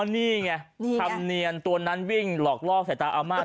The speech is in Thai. นี่ไงธรรมเนียนตัวนั้นวิ่งหลอกลอกใส่ตาอาม่า